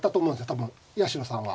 多分八代さんは。